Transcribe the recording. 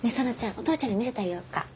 お父ちゃんに見せてあげようか。